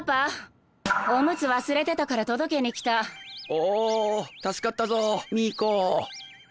お助かったぞミイコ！